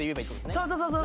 そうそうそうそう。